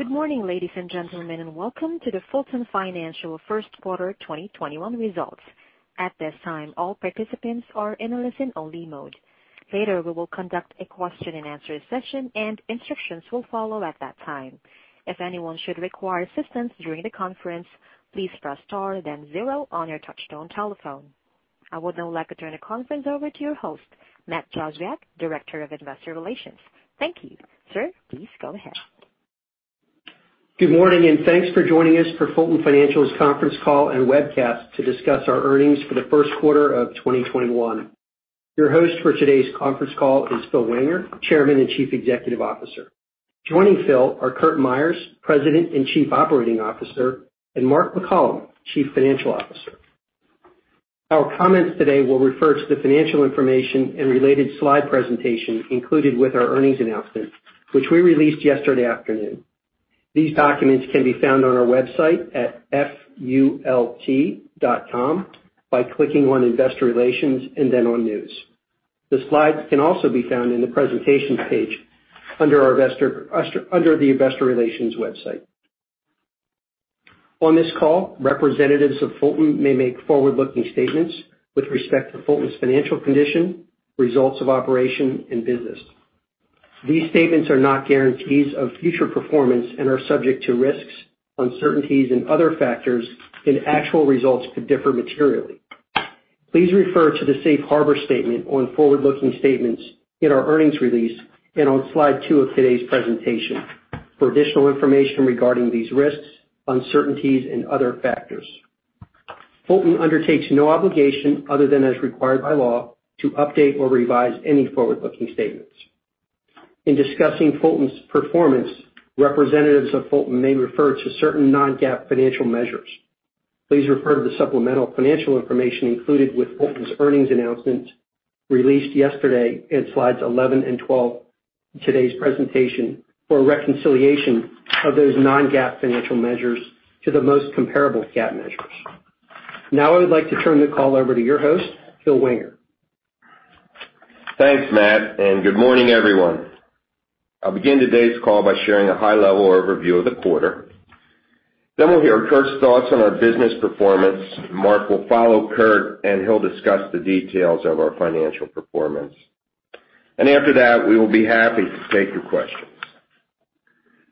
Good morning, ladies and gentlemen, and welcome to the Fulton Financial first quarter 2021 results. At this time, all participants are in a listen-only mode. Later we will conduct a question-and-answer session, and instructions will follow at that time. If anyone should require assistance during the conference, please press star then zero on your touchtone telephone. I would now like to turn the conference over to your host, Matt Jozwiak, Director of Investor Relations. Thank you. Sir, please go ahead. Good morning, and thanks for joining us for Fulton Financial's conference call and webcast to discuss our earnings for the first quarter of 2021. Your host for today's conference call is Phil Wenger, Chairman and Chief Executive Officer. Joining Phil are Curt Myers, President and Chief Operating Officer, and Mark McCollom, Chief Financial Officer. Our comments today will refer to the financial information and related slide presentation included with our earnings announcement, which we released yesterday afternoon. These documents can be found on our website at fult.com by clicking on investor relations and then on news. The slides can also be found in the presentations page under the investor relations website. On this call, representatives of Fulton may make forward-looking statements with respect to Fulton's financial condition, results of operation, and business. These statements are not guarantees of future performance and are subject to risks, uncertainties, and other factors. Actual results could differ materially. Please refer to the safe harbor statement on forward-looking statements in our earnings release and on slide two of today's presentation for additional information regarding these risks, uncertainties, and other factors. Fulton undertakes no obligation other than as required by law to update or revise any forward-looking statements. In discussing Fulton's performance, representatives of Fulton may refer to certain non-GAAP financial measures. Please refer to the supplemental financial information included with Fulton's earnings announcement released yesterday in slides 11 and 12 in today's presentation for a reconciliation of those non-GAAP financial measures to the most comparable GAAP measures. I would like to turn the call over to your host, Wenger. Thanks, Matt. Good morning, everyone. I'll begin today's call by sharing a high-level overview of the quarter. We'll hear Curt's thoughts on our business performance. Mark will follow Curt, and he'll discuss the details of our financial performance. After that, we will be happy to take your questions.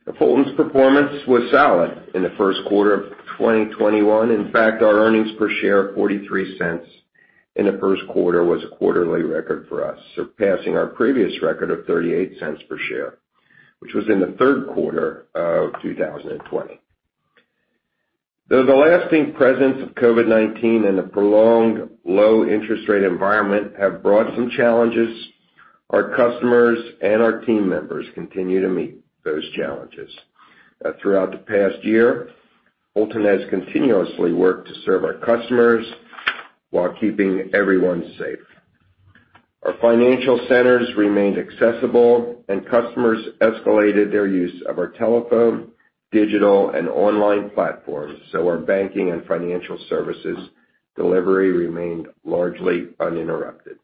Now, Fulton's performance was solid in the first quarter of 2021. In fact, our earnings per share of $0.43 in the first quarter was a quarterly record for us, surpassing our previous record of $0.38 per share, which was in the third quarter of 2020. Though the lasting presence of COVID-19 and a prolonged low interest rate environment have brought some challenges, our customers and our team members continue to meet those challenges. Throughout the past year, Fulton has continuously worked to serve our customers while keeping everyone safe. Our financial centers remained accessible, and customers escalated their use of our telephone, digital, and online platforms, so our banking and financial services delivery remained largely uninterrupted.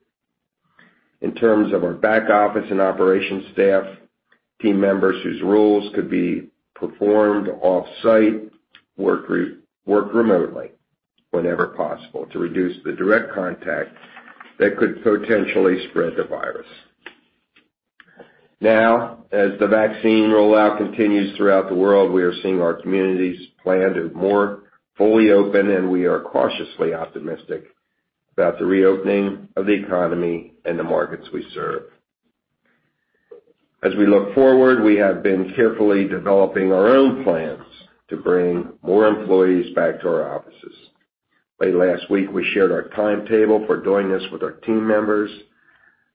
In terms of our back office and operations staff, team members whose roles could be performed off-site worked remotely whenever possible to reduce the direct contact that could potentially spread the virus. Now, as the vaccine rollout continues throughout the world, we are seeing our communities plan to more fully open, and we are cautiously optimistic about the reopening of the economy and the markets we serve. As we look forward, we have been carefully developing our own plans to bring more employees back to our offices. Late last week, we shared our timetable for doing this with our team members,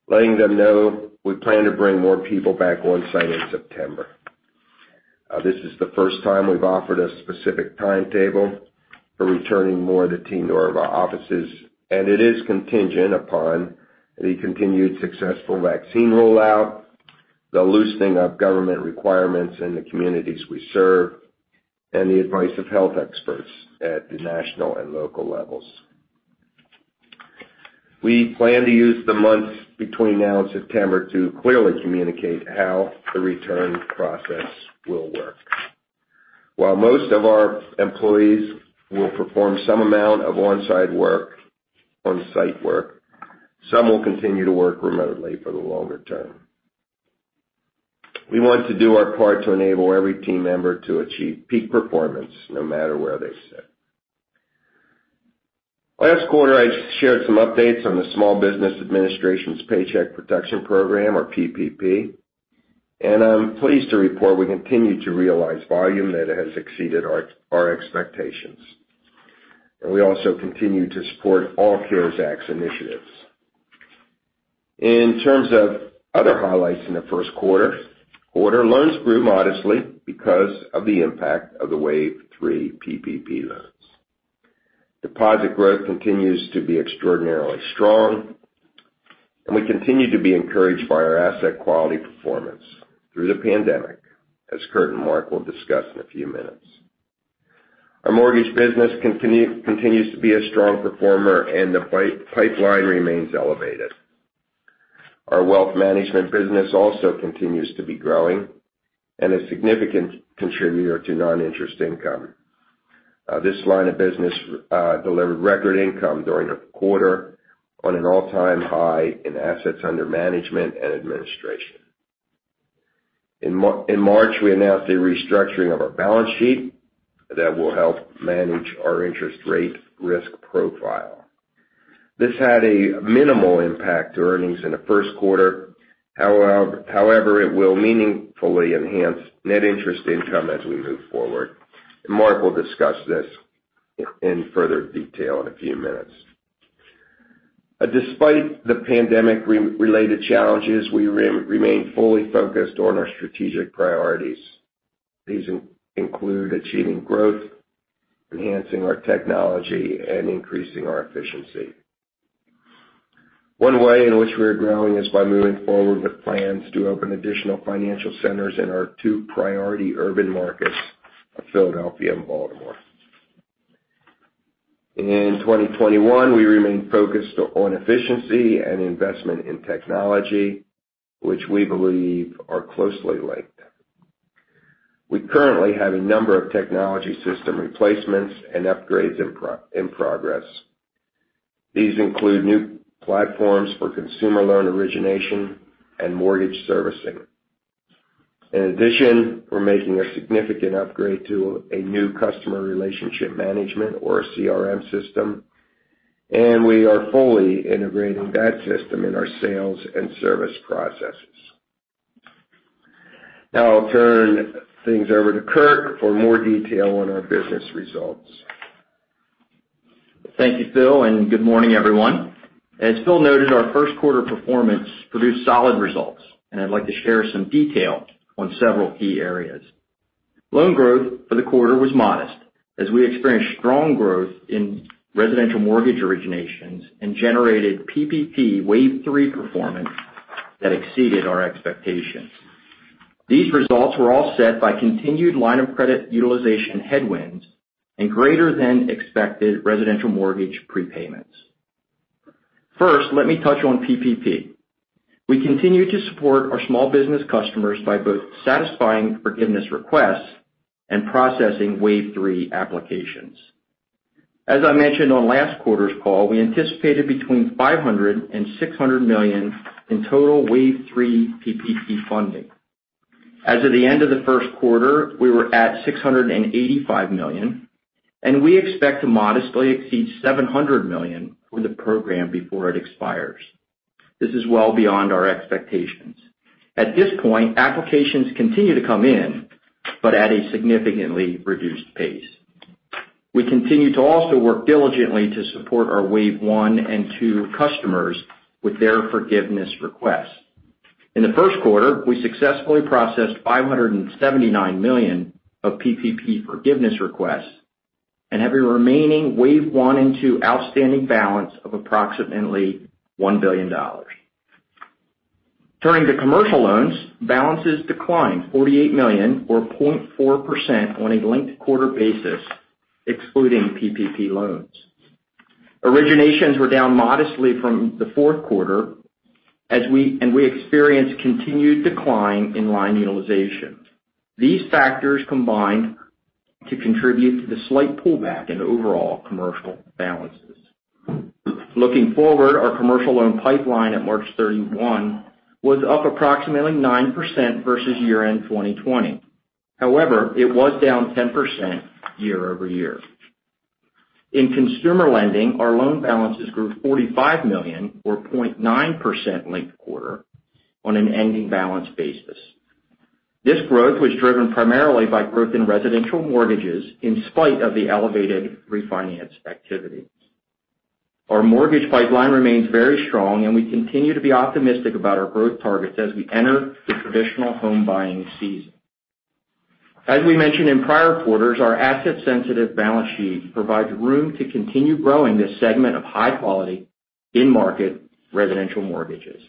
letting them know we plan to bring more people back on-site in September. This is the first time we've offered a specific timetable for returning more of the team to our offices, and it is contingent upon the continued successful vaccine rollout, the loosening of government requirements in the communities we serve, and the advice of health experts at the national and local levels. We plan to use the months between now and September to clearly communicate how the return process will work. While most of our employees will perform some amount of on-site work, some will continue to work remotely for the longer term. We want to do our part to enable every team member to achieve peak performance no matter where they sit. Last quarter, I shared some updates on the Small Business Administration's Paycheck Protection Program, or PPP, and I'm pleased to report we continue to realize volume that has exceeded our expectations. We also continue to support all CARES Act initiatives. In terms of other highlights in the first quarter, order loans grew modestly because of the impact of the wave three PPP loans. Deposit growth continues to be extraordinarily strong, and we continue to be encouraged by our asset quality performance through the pandemic, as Curt and Mark will discuss in a few minutes. Our mortgage business continues to be a strong performer, and the pipeline remains elevated. Our wealth management business also continues to be growing and a significant contributor to non-interest income. This line of business delivered record income during the quarter on an all-time high in assets under management and administration. In March, we announced a restructuring of our balance sheet that will help manage our interest rate risk profile. This had a minimal impact to earnings in the first quarter. However, it will meaningfully enhance net interest income as we move forward. Mark will discuss this in further detail in a few minutes. Despite the pandemic-related challenges, we remain fully focused on our strategic priorities. These include achieving growth, enhancing our technology, and increasing our efficiency. One way in which we're growing is by moving forward with plans to open additional financial centers in our two priority urban markets of Philadelphia and Baltimore. In 2021, we remain focused on efficiency and investment in technology, which we believe are closely linked. We currently have a number of technology system replacements and upgrades in progress. These include new platforms for consumer loan origination and mortgage servicing. In addition, we're making a significant upgrade to a new customer relationship management or CRM system, and we are fully integrating that system in our sales and service processes. Now I'll turn things over to Curt for more detail on our business results. Thank you, Phil, and good morning, everyone. As Phil noted, our first quarter performance produced solid results, and I'd like to share some detail on several key areas. Loan growth for the quarter was modest, as we experienced strong growth in residential mortgage originations and generated PPP wave three performance that exceeded our expectations. These results were offset by continued line of credit utilization headwinds and greater than expected residential mortgage prepayments. First, let me touch on PPP. We continue to support our small business customers by both satisfying forgiveness requests and processing wave three applications. As I mentioned on last quarter's call, we anticipated between $500 million and $600 million in total wave three PPP funding. As of the end of the first quarter, we were at $685 million, and we expect to modestly exceed $700 million for the program before it expires. This is well beyond our expectations. At this point, applications continue to come in, but at a significantly reduced pace. We continue to also work diligently to support our wave one and two customers with their forgiveness requests. In the first quarter, we successfully processed $579 million of PPP forgiveness requests and have a remaining wave one and two outstanding balance of approximately $1 billion. Turning to commercial loans, balances declined $48 million or 0.4% on a linked-quarter basis, excluding PPP loans. Originations were down modestly from the fourth quarter, and we experienced continued decline in line utilization. These factors combined to contribute to the slight pullback in overall commercial balances. Looking forward, our commercial loan pipeline at March 31 was up approximately 9% versus year-end 2020. It was down 10% year-over-year. In consumer lending, our loan balances grew $45 million or 0.9% linked-quarter on an ending balance basis. This growth was driven primarily by growth in residential mortgages in spite of the elevated refinance activity. Our mortgage pipeline remains very strong, and we continue to be optimistic about our growth targets as we enter the traditional home buying season. As we mentioned in prior quarters, our asset-sensitive balance sheet provides room to continue growing this segment of high-quality in-market residential mortgages.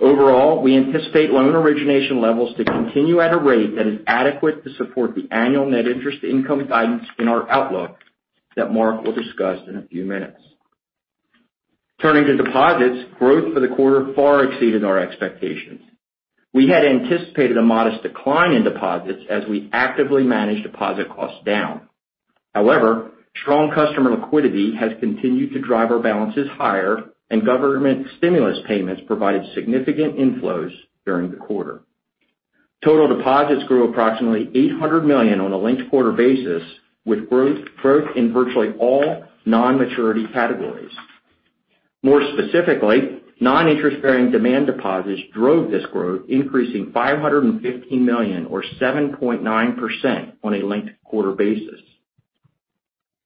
Overall, we anticipate loan origination levels to continue at a rate that is adequate to support the annual net interest income guidance in our outlook that Mark will discuss in a few minutes. Turning to deposits, growth for the quarter far exceeded our expectations. We had anticipated a modest decline in deposits as we actively managed deposit costs down. However, strong customer liquidity has continued to drive our balances higher, and government stimulus payments provided significant inflows during the quarter. Total deposits grew approximately $800 million on a linked quarter basis, with growth in virtually all non-maturity categories. More specifically, non-interest-bearing demand deposits drove this growth, increasing $550 million or 7.9% on a linked quarter basis.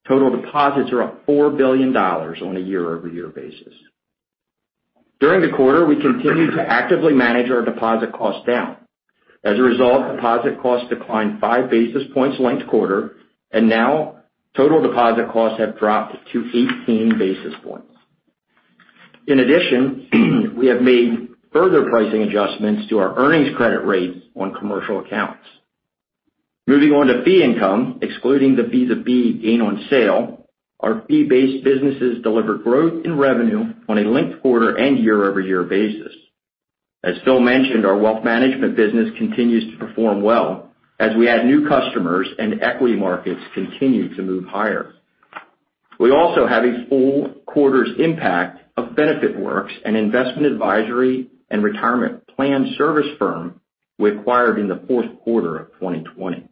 Total deposits are up $4 billion on a year-over-year basis. During the quarter, we continued to actively manage our deposit costs down. As a result, deposit costs declined five basis points linked quarter. Now total deposit costs have dropped to 18 basis points. In addition, we have made further pricing adjustments to our earnings credit rates on commercial accounts. Moving on to fee income, excluding the PPP gain on sale, our fee-based businesses delivered growth in revenue on a linked quarter and year-over-year basis. As Phil mentioned, our wealth management business continues to perform well as we add new customers and equity markets continue to move higher. We also have a full quarter's impact of BenefitWorks, an investment advisory and retirement plan service firm we acquired in the fourth quarter of 2020.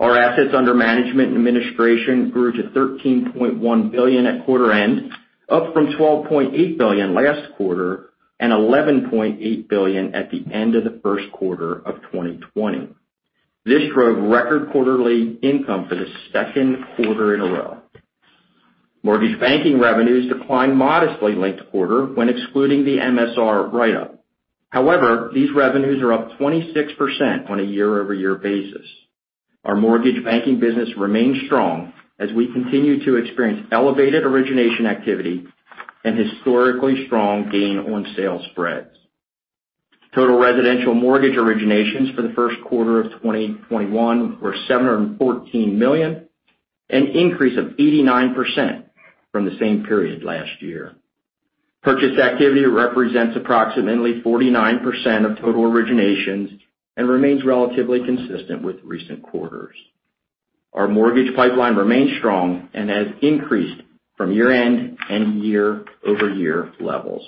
Our assets under management and administration grew to $13.1 billion at quarter end, up from $12.8 billion last quarter and $11.8 billion at the end of the first quarter of 2020. This drove record quarterly income for the second quarter in a row. Mortgage banking revenues declined modestly linked quarter when excluding the MSR write-up. However, these revenues are up 26% on a year-over-year basis. Our mortgage banking business remains strong as we continue to experience elevated origination activity and historically strong gain on sale spreads. Total residential mortgage originations for the first quarter of 2021 were $714 million, an increase of 89% from the same period last year. Purchase activity represents approximately 49% of total originations and remains relatively consistent with recent quarters. Our mortgage pipeline remains strong and has increased from year-end and year-over-year levels.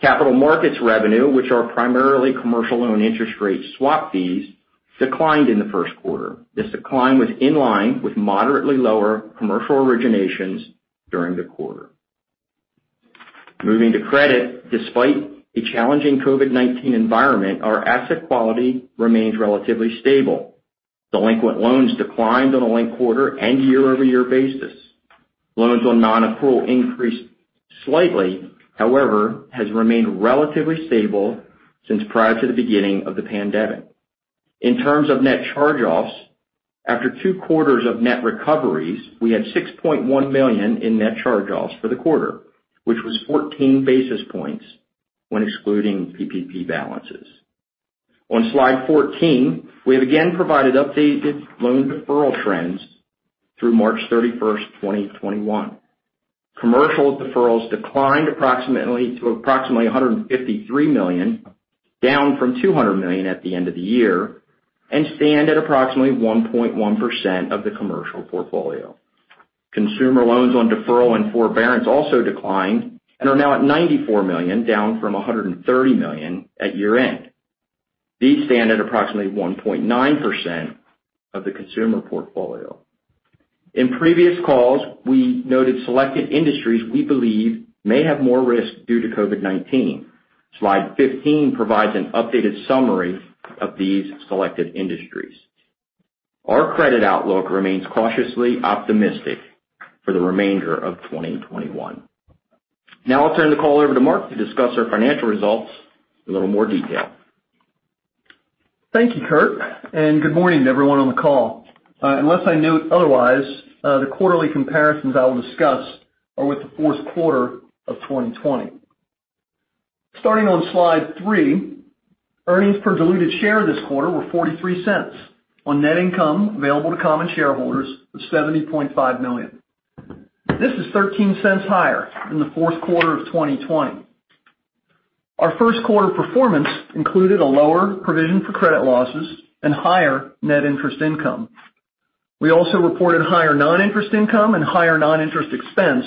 Capital markets revenue, which are primarily commercial loan interest rate swap fees, declined in the first quarter. This decline was in line with moderately lower commercial originations during the quarter. Moving to credit, despite a challenging COVID-19 environment, our asset quality remains relatively stable. Delinquent loans declined on a linked quarter and year-over-year basis. Loans on non-accrual increased slightly, however, has remained relatively stable since prior to the beginning of the pandemic. In terms of net charge-offs, after two quarters of net recoveries, we had $6.1 million in net charge-offs for the quarter, which was 14 basis points when excluding PPP balances. On slide 14, we have again provided updated loan deferral trends through March 31st, 2021. Commercial deferrals declined approximately $153 million, down from $200 million at the end of the year, and stand at approximately 1.1% of the commercial portfolio. Consumer loans on deferral and forbearance also declined and are now at $94 million, down from $130 million at year-end. These stand at approximately 1.9% of the consumer portfolio. In previous calls, we noted selected industries we believe may have more risk due to COVID-19. Slide 15 provides an updated summary of these selected industries. Our credit outlook remains cautiously optimistic for the remainder of 2021. Now I'll turn the call over to Mark to discuss our financial results in a little more detail. Thank you, Curt. Good morning to everyone on the call. Unless I note otherwise, the quarterly comparisons I will discuss are with the fourth quarter of 2020. Starting on slide three, earnings per diluted share this quarter were $0.43 on net income available to common shareholders of $70.5 million. This is $0.13 higher than the fourth quarter of 2020. Our first quarter performance included a lower provision for credit losses and higher net interest income. We also reported higher non-interest income and higher non-interest expense,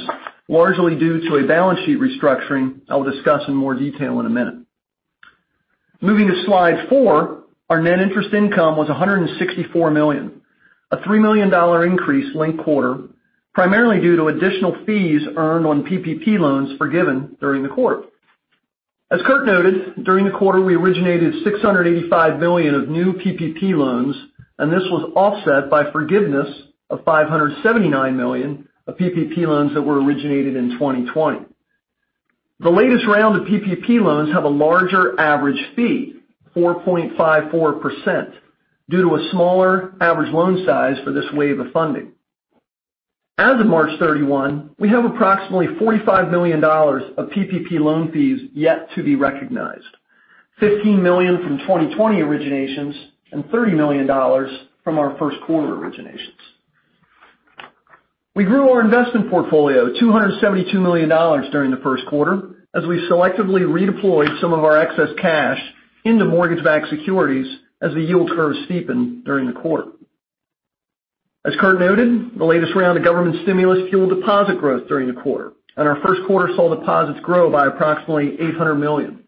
largely due to a balance sheet restructuring I'll discuss in more detail in a minute. Moving to slide four, our net interest income was $164 million, a $3 million increase linked quarter, primarily due to additional fees earned on PPP loans forgiven during the quarter. As Curt noted, during the quarter, we originated $685 million of new PPP loans, and this was offset by forgiveness of $579 million of PPP loans that were originated in 2020. The latest round of PPP loans have a larger average fee, 4.54%, due to a smaller average loan size for this wave of funding. As of March 31, we have approximately $45 million of PPP loan fees yet to be recognized. $15 million from 2020 originations and $30 million from our first quarter originations. We grew our investment portfolio $272 million during the first quarter as we selectively redeployed some of our excess cash into mortgage-backed securities as the yield curves steepened during the quarter. As Curt noted, the latest round of government stimulus fueled deposit growth during the quarter, and our first quarter saw deposits grow by approximately $800 million.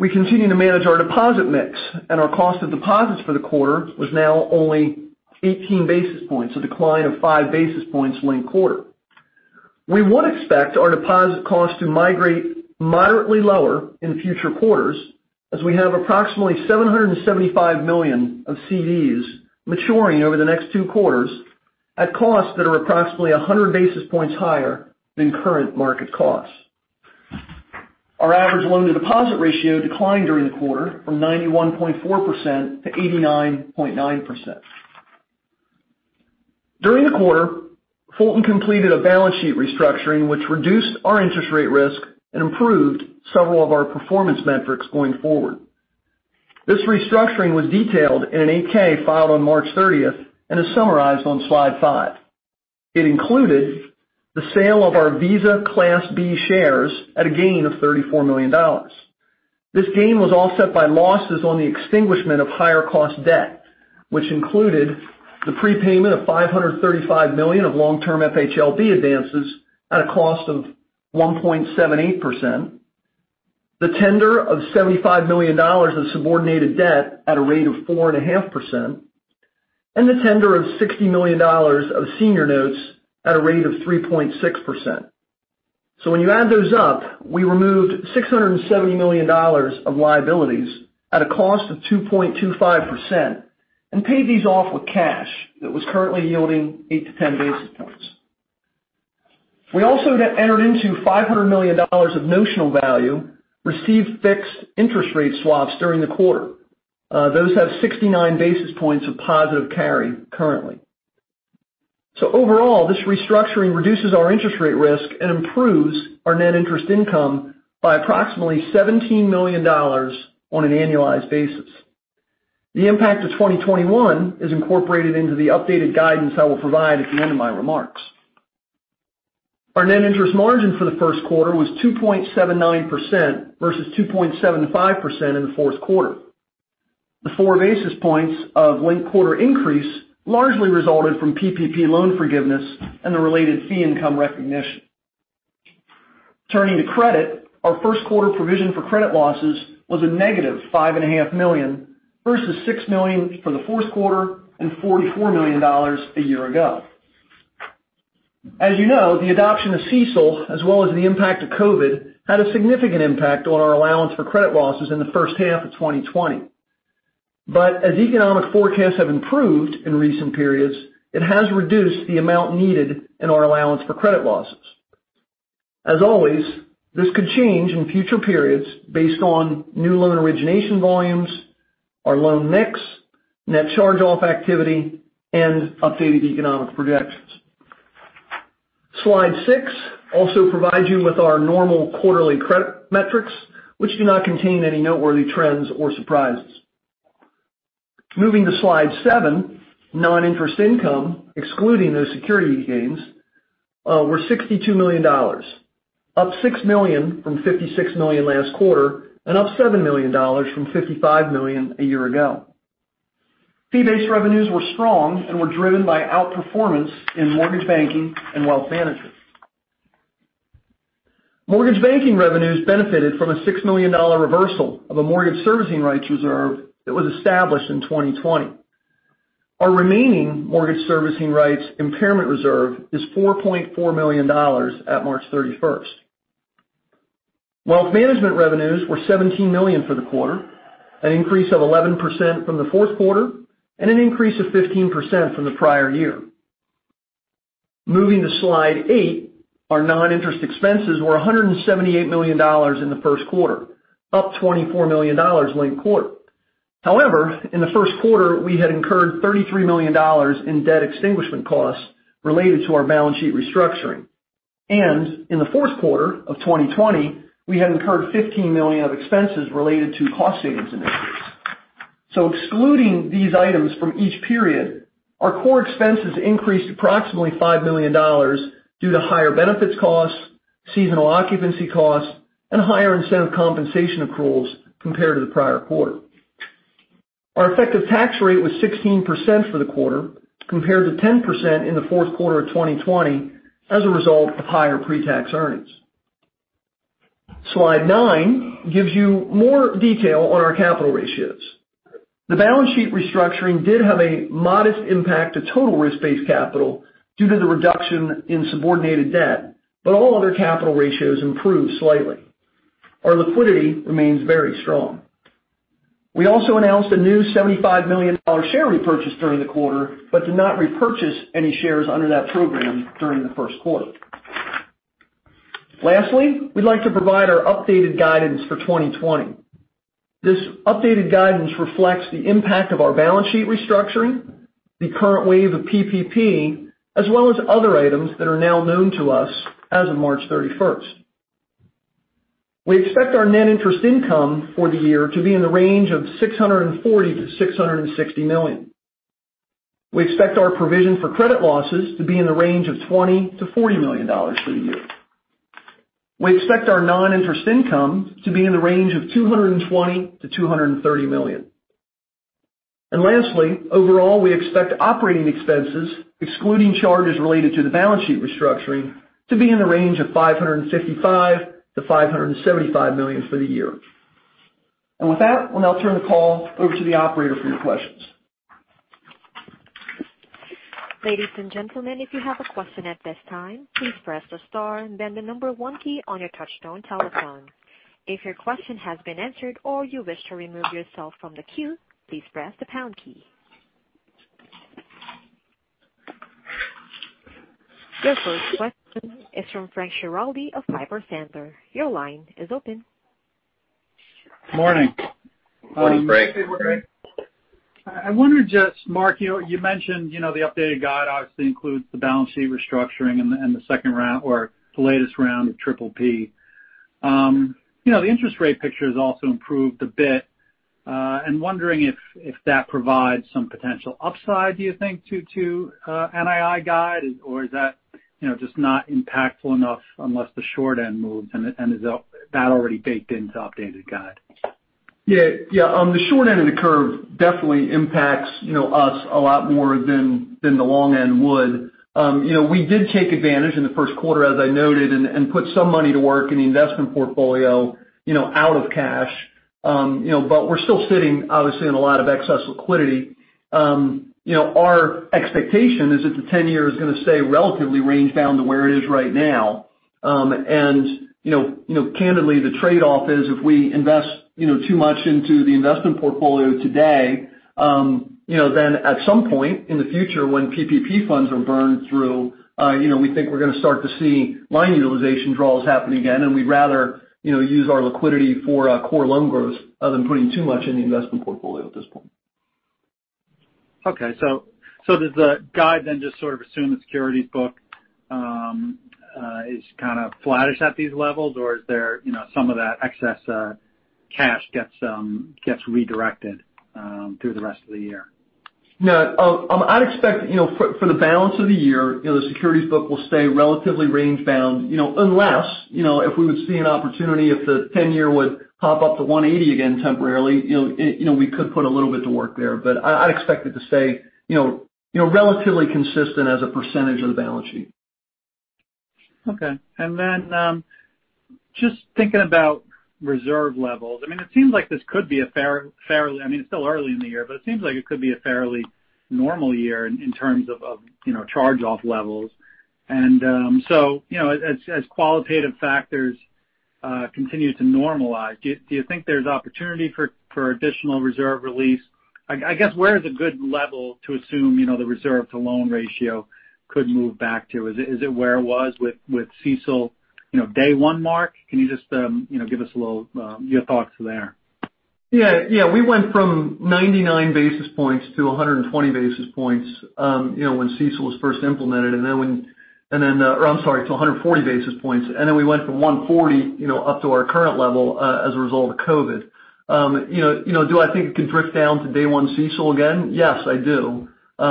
We continue to manage our deposit mix, and our cost of deposits for the quarter was now only 18 basis points, a decline of five basis points linked quarter. We would expect our deposit cost to migrate moderately lower in future quarters as we have approximately $775 million of CDs maturing over the next two quarters at costs that are approximately 100 basis points higher than current market costs. Our average loan-to-deposit ratio declined during the quarter from 91.4% to 89.9%. During the quarter, Fulton completed a balance sheet restructuring which reduced our interest rate risk and improved several of our performance metrics going forward. This restructuring was detailed in an 8-K filed on March 30th and is summarized on slide five. It included the sale of our Visa Class B shares at a gain of $34 million. This gain was offset by losses on the extinguishment of higher cost debt, which included the prepayment of $535 million of long-term FHLB advances at a cost of 1.78%, the tender of $75 million of subordinated debt at a rate of 4.5%, and the tender of $60 million of senior notes at a rate of 3.6%. When you add those up, we removed $670 million of liabilities at a cost of 2.25% and paid these off with cash that was currently yielding eight-10 basis points. We also entered into $500 million of notional value, received fixed interest rate swaps during the quarter. Those have 69 basis points of positive carry currently. Overall, this restructuring reduces our interest rate risk and improves our net interest income by approximately $17 million on an annualized basis. The impact of 2021 is incorporated into the updated guidance I will provide at the end of my remarks. Our net interest margin for the first quarter was 2.79% versus 2.75% in the fourth quarter. The four basis points of linked quarter increase largely resulted from PPP loan forgiveness and the related fee income recognition. Turning to credit, our first quarter provision for credit losses was a negative $5.5 million, versus $6 million for the fourth quarter and $44 million a year ago. As you know, the adoption of CECL, as well as the impact of COVID, had a significant impact on our allowance for credit losses in the first half of 2020. As economic forecasts have improved in recent periods, it has reduced the amount needed in our allowance for credit losses. As always, this could change in future periods based on new loan origination volumes, our loan mix, net charge-off activity, and updated economic projections. Slide six also provides you with our normal quarterly credit metrics, which do not contain any noteworthy trends or surprises. Moving to slide seven, non-interest income, excluding those security gains, were $62 million, up $6 million from $56 million last quarter, and up $7 million from $55 million a year ago. Fee-based revenues were strong and were driven by outperformance in mortgage banking and wealth management. Mortgage banking revenues benefited from a $6 million reversal of a mortgage servicing rights reserve that was established in 2020. Our remaining mortgage servicing rights impairment reserve is $4.4 million at March 31st. Wealth management revenues were $17 million for the quarter, an increase of 11% from the fourth quarter, and an increase of 15% from the prior year. Moving to slide eight, our non-interest expenses were $178 million in the first quarter, up $24 million linked quarter. In the first quarter, we had incurred $33 million in debt extinguishment costs related to our balance sheet restructuring, and in the fourth quarter of 2020, we had incurred $15 million of expenses related to cost savings initiatives. Excluding these items from each period, our core expenses increased approximately $5 million due to higher benefits costs, seasonal occupancy costs, and higher incentive compensation accruals compared to the prior quarter. Our effective tax rate was 16% for the quarter, compared to 10% in the fourth quarter of 2020 as a result of higher pre-tax earnings. Slide nine gives you more detail on our capital ratios. The balance sheet restructuring did have a modest impact to total risk-based capital due to the reduction in subordinated debt, but all other capital ratios improved slightly. Our liquidity remains very strong. We also announced a new $75 million share repurchase during the quarter but did not repurchase any shares under that program during the first quarter. Lastly, we'd like to provide our updated guidance for 2020. This updated guidance reflects the impact of our balance sheet restructuring, the current wave of PPP, as well as other items that are now known to us as of March 31st. We expect our net interest income for the year to be in the range of $640 million-$660 million. We expect our provision for credit losses to be in the range of $20 million-$40 million for the year. We expect our non-interest income to be in the range of $220 million-$230 million. Lastly, overall, we expect operating expenses, excluding charges related to the balance sheet restructuring, to be in the range of $555 million-$575 million for the year. With that, we'll now turn the call over to the operator for your questions. Ladies and Gentlemen if you have a question at this time, press the star and then the number one key on your touch-tone telephone. If your question has been answered or you wish to remove yourself from the queue, please press the star key. Your first question is from Frank Schiraldi of Piper Sandler. Your line is open. Morning. Morning, Frank. I wonder, just, Mark, you mentioned the updated guide obviously includes the balance sheet restructuring and the second round or the latest round of PPP. The interest rate picture has also improved a bit. I'm wondering if that provides some potential upside, do you think, to NII guide, or is that just not impactful enough unless the short end moves, and is that already baked into updated guide? Yeah. The short end of the curve definitely impacts us a lot more than the long end would. We did take advantage in the first quarter, as I noted, and put some money to work in the investment portfolio out of cash. We're still sitting, obviously, on a lot of excess liquidity. Our expectation is that the 10-year is going to stay relatively range bound to where it is right now. Candidly, the trade-off is if we invest too much into the investment portfolio today, then at some point in the future when PPP funds are burned through, we think we're going to start to see line utilization draws happen again. We'd rather use our liquidity for core loan growth than putting too much in the investment portfolio at this point. Okay. Does the guide then just sort of assume the securities book is kind of flattish at these levels, or is there some of that excess cash gets redirected through the rest of the year? No. I'd expect for the balance of the year, the securities book will stay relatively range bound unless if we would see an opportunity, if the 10-year would pop up to 180 again temporarily, we could put a little bit to work there. I'd expect it to stay relatively consistent as a percentage of the balance sheet. Okay. Just thinking about reserve levels. It seems like this could be a fairly normal year in terms of charge-off levels. As qualitative factors continue to normalize, do you think there's opportunity for additional reserve release? I guess where is a good level to assume the reserve-to-loan ratio could move back to? Is it where it was with CECL day one, Mark? Can you just give us your thoughts there? We went from 99 basis points to 120 basis points when CECL was first implemented, to 140 basis points. We went from 140 up to our current level as a result of COVID. Do I think it can drift down to day one CECL again? Yes, I do. That's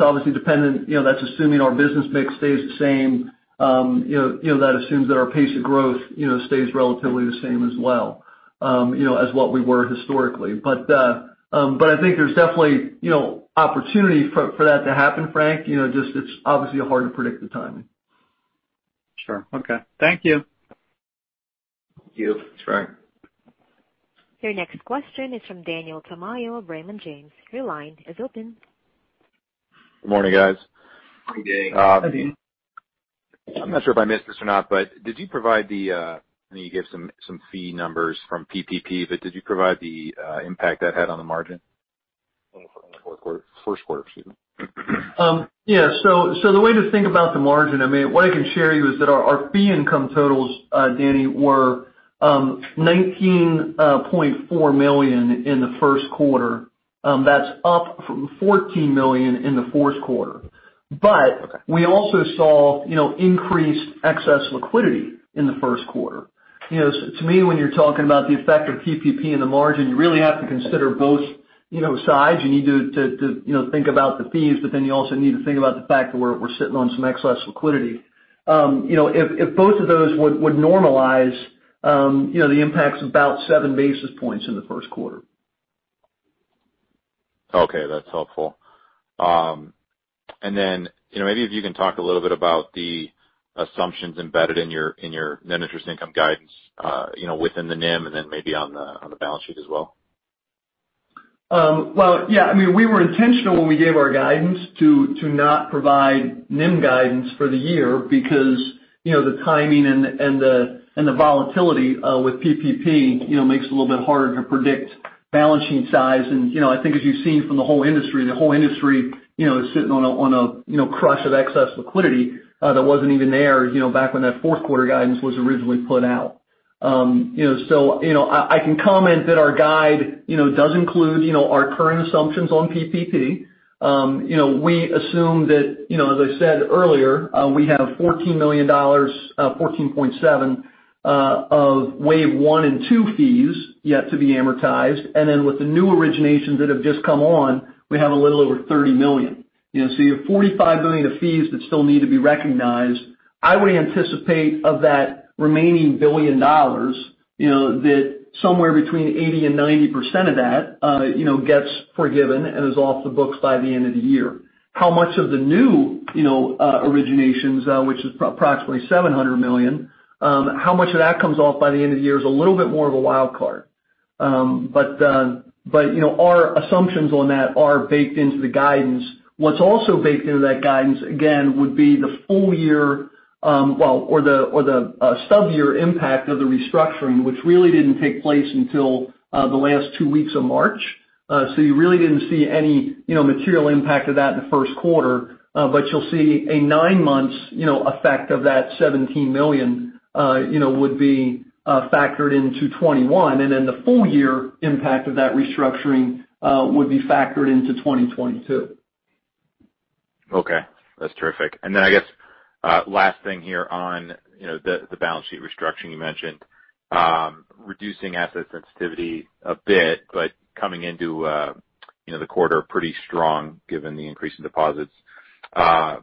obviously dependent. That's assuming our business mix stays the same. That assumes that our pace of growth stays relatively the same as well as what we were historically. I think there's definitely opportunity for that to happen, Frank. Just it's obviously hard to predict the timing. Sure. Okay. Thank you. Thank you, Frank. Your next question is from Daniel Tamayo of Raymond James. Your line is open. Good morning, guys. Good day. Morning. I'm not sure if I missed this or not, but did you provide I know you gave some fee numbers from PPP, but did you provide the impact that had on the margin in the first quarter, excuse me? Yeah. The way to think about the margin, what I can share you is that our fee income totals, Daniel, were $19.4 million in the first quarter. That's up from $14 million in the fourth quarter. Okay. We also saw increased excess liquidity in the first quarter. To me, when you're talking about the effect of PPP in the margin, you really have to consider both sides. You need to think about the fees, you also need to think about the fact that we're sitting on some excess liquidity. If both of those would normalize, the impact's about seven basis points in the first quarter. Okay. That's helpful. Maybe if you can talk a little bit about the assumptions embedded in your net interest income guidance within the NIM and then maybe on the balance sheet as well. Well, yeah. We were intentional when we gave our guidance to not provide NIM guidance for the year because the timing and the volatility with PPP makes it a little bit harder to predict balance sheet size. I think as you've seen from the whole industry, the whole industry is sitting on a crush of excess liquidity that wasn't even there back when that fourth quarter guidance was originally put out. I can comment that our guide does include our current assumptions on PPP. We assume that, as I said earlier, we have $14 million, $14.7, of wave one and two fees yet to be amortized. With the new originations that have just come on, we have a little over $30 million. You have $45 million of fees that still need to be recognized. I would anticipate of that remaining $1 billion that somewhere between 80%-90% of that gets forgiven and is off the books by the end of the year. How much of the new originations, which is approximately $700 million, how much of that comes off by the end of the year is a little bit more of a wild card. Our assumptions on that are baked into the guidance. What's also baked into that guidance, again, would be the full year or the stub year impact of the restructuring, which really didn't take place until the last two weeks of March. You really didn't see any material impact of that in the first quarter. You'll see a nine months effect of that $17 million, would be factored into 2021, the full year impact of that restructuring would be factored into 2022. Okay. That's terrific. I guess, last thing here on the balance sheet restructuring you mentioned. Reducing asset sensitivity a bit, coming into the quarter pretty strong given the increase in deposits. How's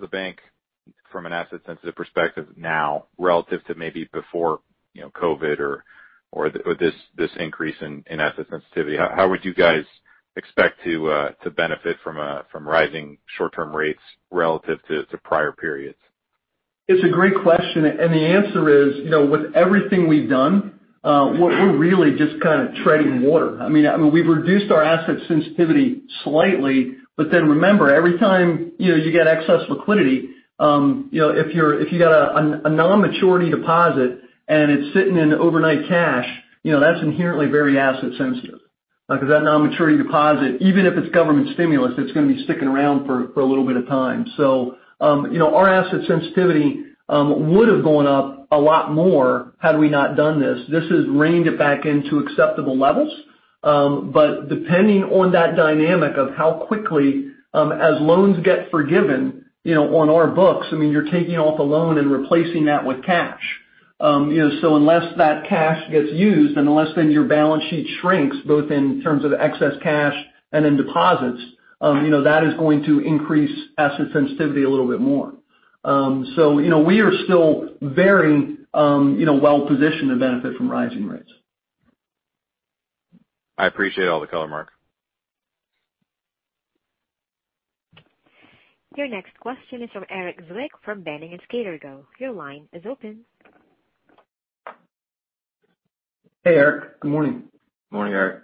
the bank from an asset sensitive perspective now relative to maybe before COVID or this increase in asset sensitivity? How would you guys expect to benefit from rising short-term rates relative to prior periods? It's a great question. The answer is, with everything we've done, we're really just treading water. We've reduced our asset sensitivity slightly. Remember, every time you get excess liquidity, if you got a non-maturity deposit and it's sitting in overnight cash, that's inherently very asset sensitive. That non-maturity deposit, even if it's government stimulus, it's going to be sticking around for a little bit of time. Our asset sensitivity would've gone up a lot more had we not done this. This has reined it back into acceptable levels. Depending on that dynamic of how quickly, as loans get forgiven on our books, you're taking off a loan and replacing that with cash. Unless that cash gets used, unless your balance sheet shrinks, both in terms of excess cash and in deposits, that is going to increase asset sensitivity a little bit more. We are still very well-positioned to benefit from rising rates. I appreciate all the color, Mark. Your next question is from Erik Zwick from Boenning & Scattergood. Your line is open. Hey, Erik. Good morning. Morning, Erik.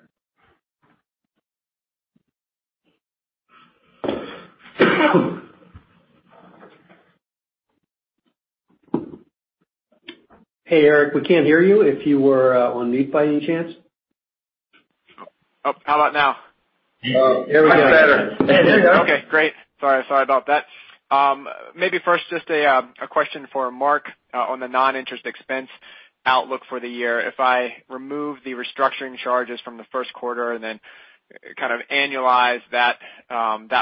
Hey, Erik, we can't hear you. If you were on mute by any chance? Oh, how about now? Oh, much better. There we go. Okay, great. Sorry about that. Maybe first just a question for Mark on the non-interest expense outlook for the year. If I remove the restructuring charges from the first quarter and then kind of annualize that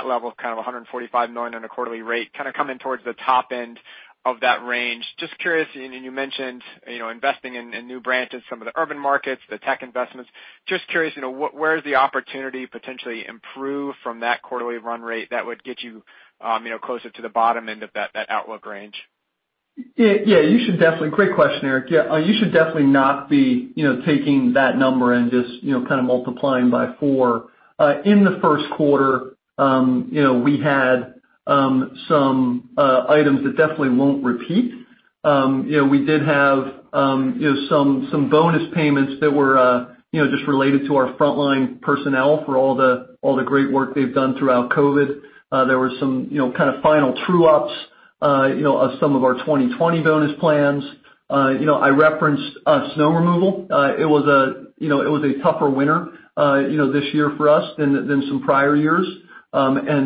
level of $145 million on a quarterly rate, kind of coming towards the top end of that range. Just curious, you mentioned investing in new branches, some of the urban markets, the tech investments. Just curious, where does the opportunity potentially improve from that quarterly run rate that would get you closer to the bottom end of that outlook range? Yeah. Great question, Erik. You should definitely not be taking that number and just multiplying by four. In the first quarter, we had some items that definitely won't repeat. We did have some bonus payments that were just related to our frontline personnel for all the great work they've done throughout COVID. There were some kind of final true-ups of some of our 2020 bonus plans. I referenced snow removal. It was a tougher winter this year for us than some prior years.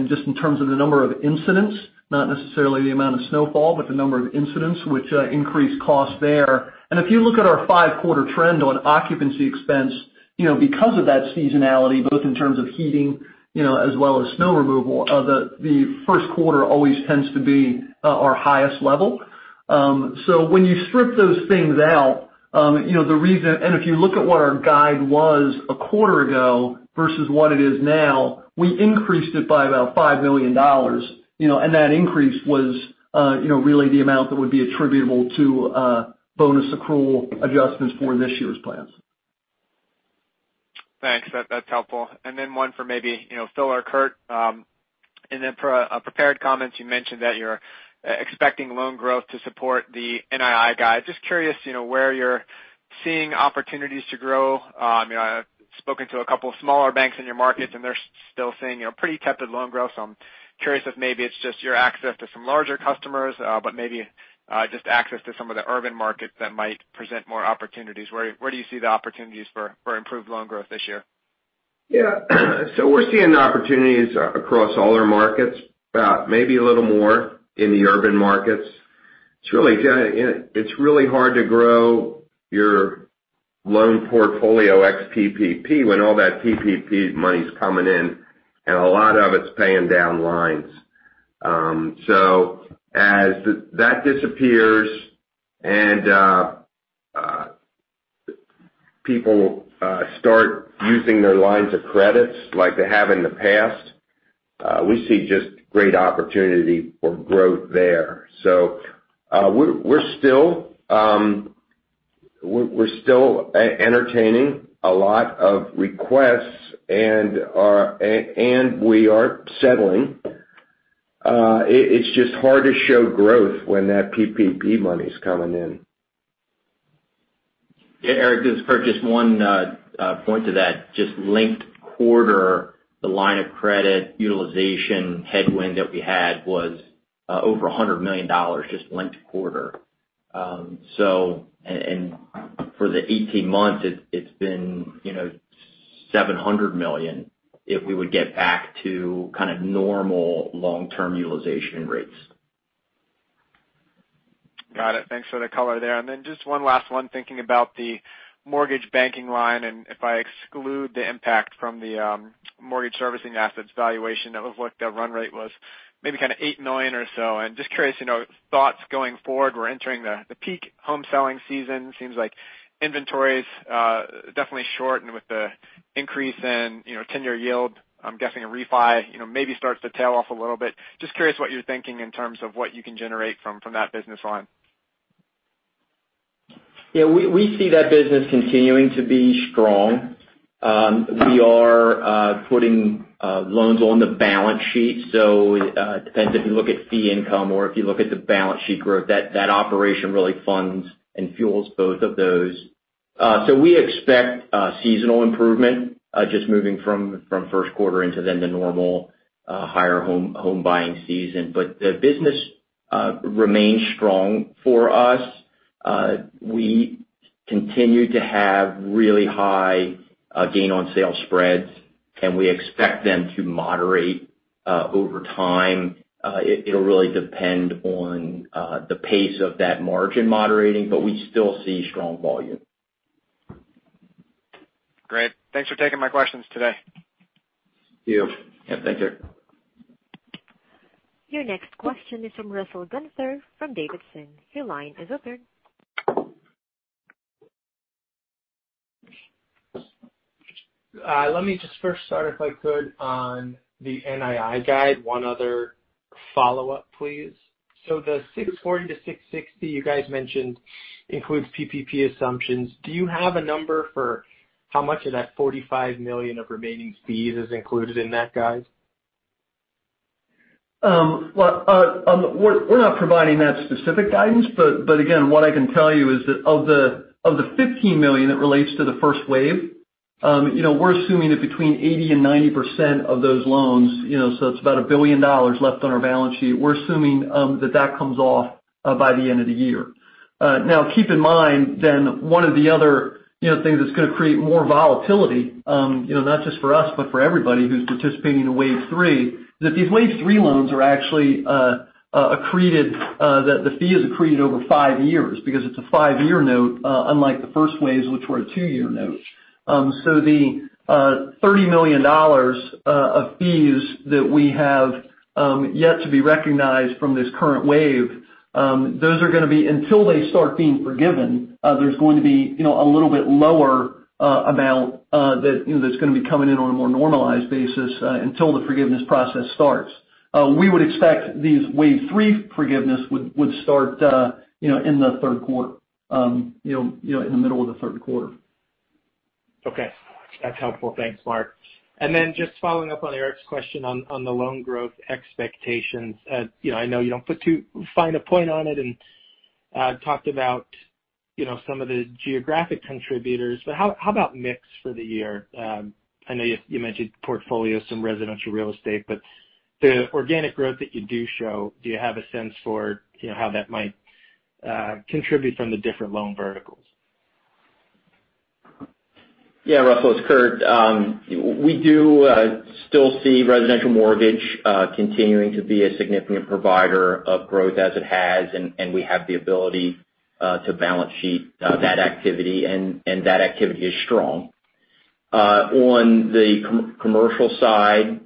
Just in terms of the number of incidents, not necessarily the amount of snowfall, but the number of incidents which increased costs there. If you look at our five-quarter trend on occupancy expense, because of that seasonality, both in terms of heating, as well as snow removal, the first quarter always tends to be our highest level. When you strip those things out, and if you look at what our guide was a quarter ago versus what it is now, we increased it by about $5 million. That increase was really the amount that would be attributable to bonus accrual adjustments for this year's plans. Thanks. That's helpful. Then one for maybe Phil or Curt. In the prepared comments you mentioned that you're expecting loan growth to support the NII guide. Just curious where you're seeing opportunities to grow. I've spoken to a couple of smaller banks in your markets, and they're still seeing pretty tepid loan growth. I'm curious if maybe it's just your access to some larger customers, but maybe just access to some of the urban markets that might present more opportunities. Where do you see the opportunities for improved loan growth this year? Yeah. We're seeing opportunities across all our markets. Maybe a little more in the urban markets. It's really hard to grow your loan portfolio ex-PPP when all that PPP money's coming in, and a lot of it's paying down lines. As that disappears and people start using their lines of credits like they have in the past, we see just great opportunity for growth there. We're still entertaining a lot of requests and we are settling. It's just hard to show growth when that PPP money's coming in. Yeah, Erik, this is Curt. Just one point to that. Just linked quarter, the line of credit utilization headwind that we had was over $100 million, just linked quarter. For the 18 months, it's been $700 million, if we would get back to kind of normal long-term utilization rates. Got it. Thanks for the color there. Just one last one, thinking about the mortgage banking line, and if I exclude the impact from the mortgage servicing assets valuation of what the run rate was, maybe kind of $8 million or so. Just curious, thoughts going forward. We're entering the peak home-selling season. Seems like inventory's definitely short, and with the increase in 10-year yield, I'm guessing a refi maybe starts to tail off a little bit. Just curious what you're thinking in terms of what you can generate from that business line. We see that business continuing to be strong. We are putting loans on the balance sheet, so it depends if you look at fee income or if you look at the balance sheet growth. That operation really funds and fuels both of those. We expect a seasonal improvement, just moving from first quarter into then the normal higher home buying season. The business remains strong for us. We continue to have really high gain-on-sale spreads, and we expect them to moderate over time. It'll really depend on the pace of that margin moderating, but we still see strong volume. Great. Thanks for taking my questions today. Thank you. Yeah. Thanks, Erik. Your next question is from Russell Gunther from Davidson. Your line is open. Let me just first start, if I could, on the NII guide. One other follow-up, please. The $640-$660 you guys mentioned includes PPP assumptions. Do you have a number for how much of that $45 million of remaining fees is included in that guide? Well, we're not providing that specific guidance, but again, what I can tell you is that of the $15 million that relates to the first wave, we're assuming that between 80% and 90% of those loans, so that's about $1 billion left on our balance sheet, we're assuming that that comes off by the end of the year. Keep in mind, one of the other things that's going to create more volatility, not just for us, but for everybody who's participating in wave three, is that these wave-three loans are actually accreted, the fee is accreted over five years because it's a five-year note, unlike the first waves, which were a two-year note. The $30 million of fees that we have yet to be recognized from this current wave, until they start being forgiven, there's going to be a little bit lower amount that's going to be coming in on a more normalized basis until the forgiveness process starts. We would expect these wave three forgiveness would start in the third quarter, in the middle of the third quarter. Okay. That's helpful. Thanks, Mark. Then just following up on Erik's question on the loan growth expectations. I know you don't put too fine a point on it and talked about some of the geographic contributors, but how about mix for the year? I know you mentioned portfolio, some residential real estate, but the organic growth that you do show, do you have a sense for how that might contribute from the different loan verticals? Yeah, Russell, it's Kurt. We do still see residential mortgage continuing to be a significant provider of growth as it has, and we have the ability to balance sheet that activity, and that activity is strong. On the commercial side,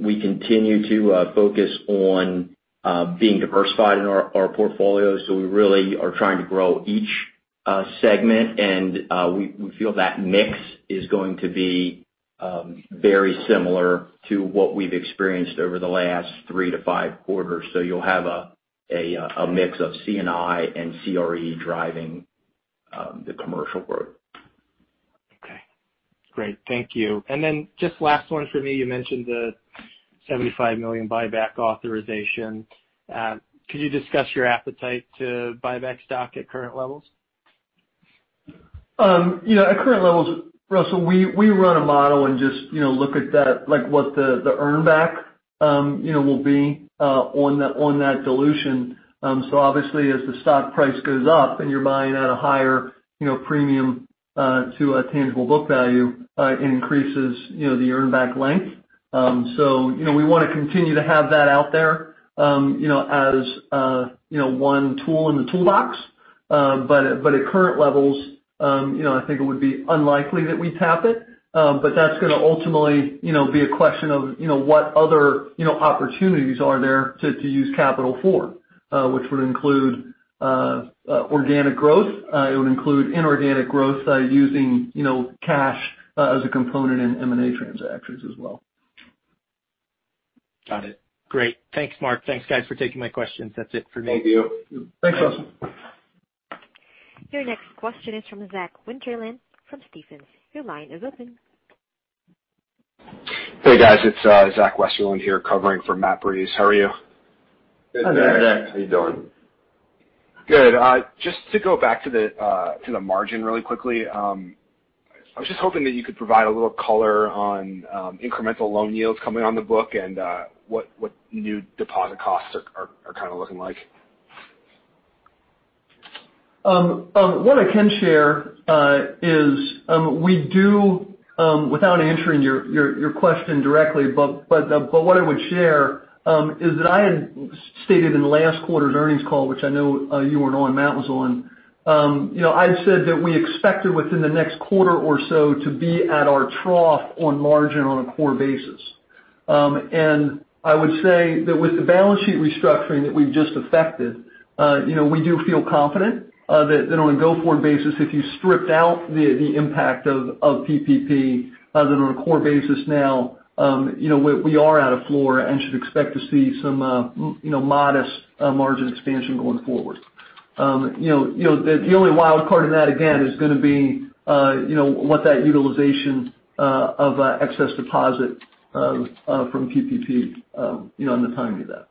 we continue to focus on being diversified in our portfolio, so we really are trying to grow each segment, and we feel that mix is going to be very similar to what we've experienced over the last three to five quarters. You'll have a mix of C&I and CRE driving the commercial growth. Okay. Great. Thank you. Just last one for me. You mentioned the $75 million buyback authorization. Could you discuss your appetite to buy back stock at current levels? At current levels, Russell, we run a model and just look at what the earn back will be on that dilution. Obviously as the stock price goes up and you're buying at a higher premium to a tangible book value, it increases the earn back length. We want to continue to have that out there as one tool in the toolbox. At current levels, I think it would be unlikely that we tap it. That's going to ultimately be a question of what other opportunities are there to use capital for, which would include organic growth. It would include inorganic growth using cash as a component in M&A transactions as well. Got it. Great. Thanks, Mark. Thanks, guys, for taking my questions. That's it for me. Thank you. Thanks, Russell. Your next question is from Zach Westerlund from Stephens. Your line is open. Hey guys, it's Zach Westerlund here covering for Matt Breese. How are you? Good. How are you doing? Good. Just to go back to the margin really quickly. I was just hoping that you could provide a little color on incremental loan yields coming on the book and what new deposit costs are looking like. What I can share is, without answering your question directly, but what I would share is that I had stated in last quarter's earnings call, which I know you weren't on, Matt was on. I said that we expected within the next quarter or so to be at our trough on margin on a core basis. I would say that with the balance sheet restructuring that we've just affected, we do feel confident that on a go-forward basis, if you stripped out the impact of PPP, that on a core basis now we are at a floor and should expect to see some modest margin expansion going forward. The only wild card in that, again, is going to be what that utilization of excess deposit from PPP in the timing of that.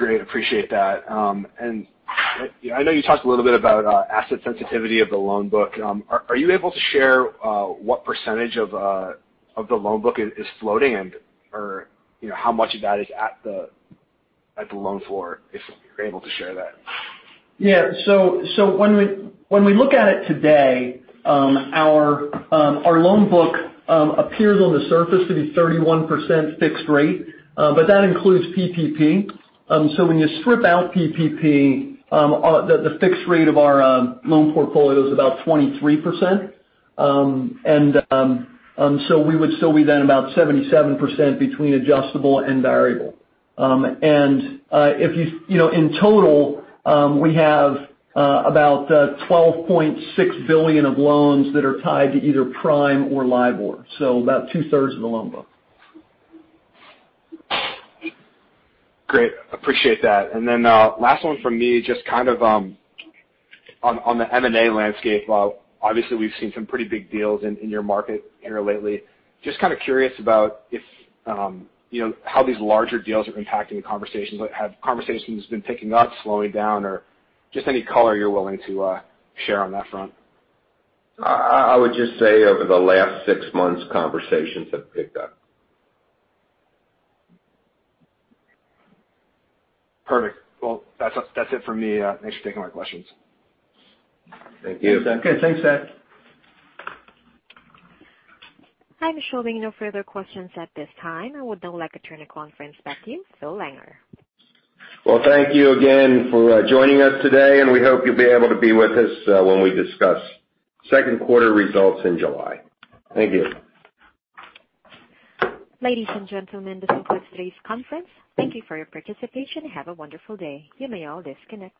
Great. Appreciate that. I know you talked a little bit about asset sensitivity of the loan book. Are you able to share what percentage of the loan book is floating and or how much of that is at the loan floor, if you're able to share that? Yeah. When we look at it today, our loan book appears on the surface to be 31% fixed rate. That includes PPP. When you strip out PPP, the fixed rate of our loan portfolio is about 23%, and so we would still be then about 77% between adjustable and variable. In total, we have about $12.6 billion of loans that are tied to either prime or LIBOR, so about two-thirds of the loan book. Great. Appreciate that. Last one from me, just on the M&A landscape. Obviously, we've seen some pretty big deals in your market here lately. Just curious about how these larger deals are impacting the conversations. Have conversations been picking up, slowing down, or just any color you're willing to share on that front? I would just say over the last six months, conversations have picked up. Perfect. Well, that's it for me. Thanks for taking my questions. Thank you. Okay. Thanks, Zach. I'm showing no further questions at this time. I would now like to turn the conference back to you, Phil Wenger. Well, thank you again for joining us today, and we hope you'll be able to be with us when we discuss second quarter results in July. Thank you. Ladies and gentlemen, this concludes today's conference. Thank you for your participation and have a wonderful day. You may all disconnect.